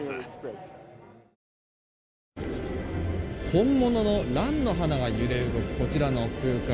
本物のランの花が揺れるこちらの空間。